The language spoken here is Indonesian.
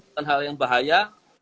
bukan hal yang bahaya